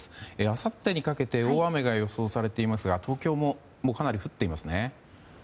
あさってにかけて大雨が予想されていますが東京もかなり降っていますね。